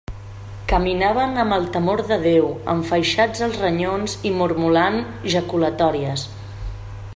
Caminaven amb el temor de Déu, enfaixats els renyons i mormolant jaculatòries.